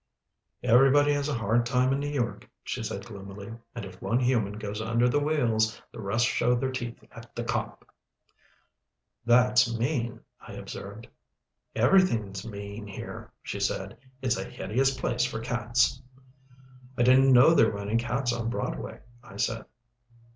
"Everybody has a hard time in New York," she said gloomily, "and if one human goes under the wheels, the rest show their teeth at the cop." "That's mean," I observed. "Everything's mean here," she said. "It's a hideous place for cats." "I didn't know there were any cats on Broadway," I said.